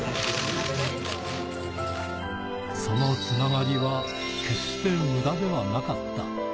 そのつながりは決して無駄ではなかった。